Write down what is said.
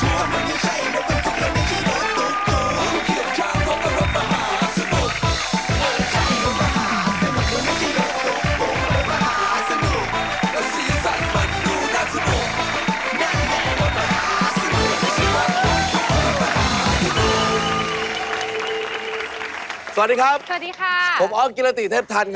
นั่นมันรถอะไรดูไม่เหมือนรถประทุกแต่มันไม่ใช่รถประทุกและไม่ใช่รถตุ๊กตุ๊กทุกเหยียดข้างรถมหาสนุก